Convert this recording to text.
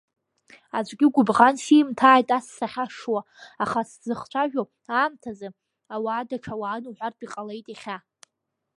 Аӡәгьы гәыбӷан симҭааит ас сахьашшуа, аха сызхцәажәо аамҭазы ауаа даҽа уаан уҳәартә иҟалеит иахьа.